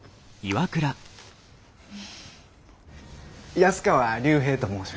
安川龍平と申します。